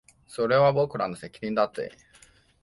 それは僕らの責任だぜ